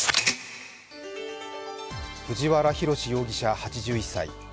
藤原宏容疑者８１歳。